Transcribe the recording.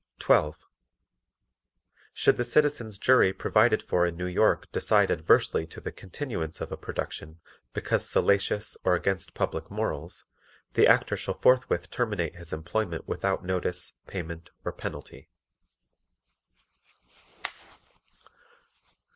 12. Should the Citizens' Jury provided for in New York decide adversely to the continuance of a production because salacious or against public morals the Actor shall forthwith terminate his employment without notice, payment or penalty.